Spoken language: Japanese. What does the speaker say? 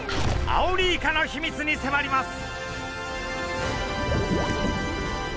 アオリイカの秘密にせまります！